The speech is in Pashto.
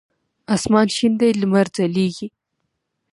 اسمان شین دی لمر ځلیږی